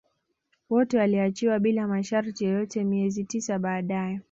Wote waliachiwa bila masharti yoyote miezi tisa baadae